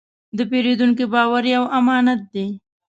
د پیرودونکي باور یو امانت دی.